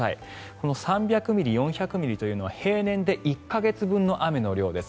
この３００ミリ４００ミリというのは平年で１か月分の雨の量です。